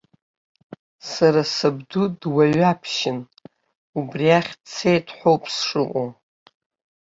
Сара сабду дуаҩаԥшьын, убри иахь дцеит ҳәоуп сшыҟоу.